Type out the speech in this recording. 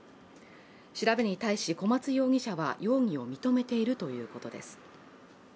調べに対し小松容疑者は容疑を認めているということです。